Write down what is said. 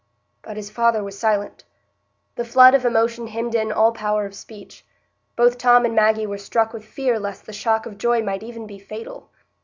But his father was silent; the flood of emotion hemmed in all power of speech. Both Tom and Maggie were struck with fear lest the shock of joy might even be fatal.